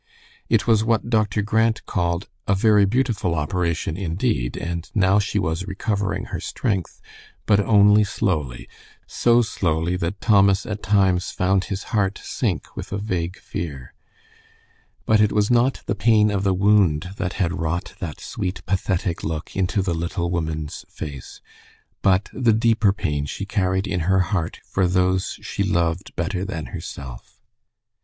It was what Dr. Grant called "a very beautiful operation, indeed," and now she was recovering her strength, but only slowly, so slowly that Thomas at times found his heart sink with a vague fear. But it was not the pain of the wound that had wrought that sweet, pathetic look into the little woman's face, but the deeper pain she carried in her heart for those she loved better than herself.